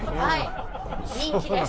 人気です！